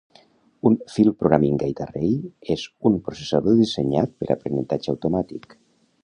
Un Field Programming Gate Array és un processador dissenyat per aprenentatge automàtic.